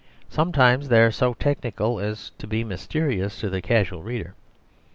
Sometimes they are so technical as to be mysterious to the casual reader.